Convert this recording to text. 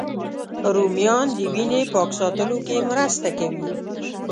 رومیان د وینې پاک ساتلو کې مرسته کوي